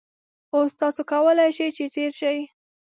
اوس تاسو کولای شئ چې تېر شئ